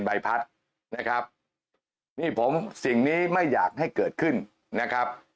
ใบพัดนะครับนี่ผมสิ่งนี้ไม่อยากให้เกิดขึ้นนะครับ